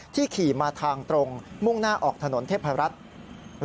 ขี่มาทางตรงมุ่งหน้าออกถนนเทพรัฐ